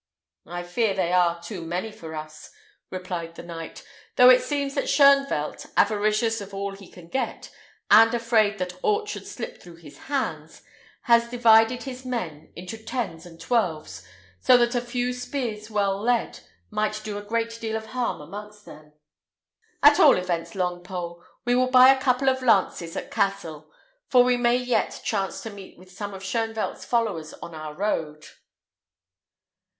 "I fear they are too many for us," replied the knight, "though it seems that Shoenvelt, avaricious of all he can get, and afraid that aught should slip through his hands, has divided his men into tens and twelves, so that a few spears well led might do a great deal of harm amongst them. At all events, Longpole, we will buy a couple of lances at Cassel; for we may yet chance to meet with some of Shoenvelt's followers on our road."